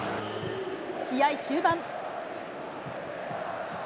試合終盤。